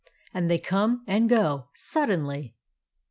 And they come and go — suddenly."